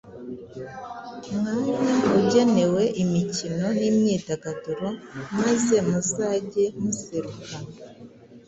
mwanya ugenewe imikino n’imyidagaduro maze muzage museruka